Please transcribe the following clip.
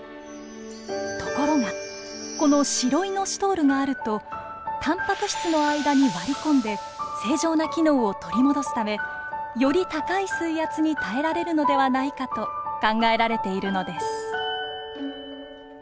ところがこのシロイノシトールがあるとたんぱく質の間に割り込んで正常な機能を取り戻すためより高い水圧に耐えられるのではないかと考えられているのです。